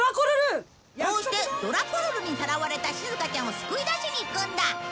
こうしてドラコルルにさらわれたしずかちゃんを救い出しに行くんだ